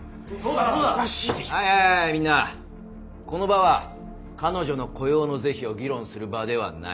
はいはいはいみんなこの場は彼女の雇用の是非を議論する場ではない。